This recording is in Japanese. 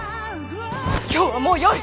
今日はもうよい！